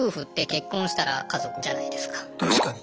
確かに。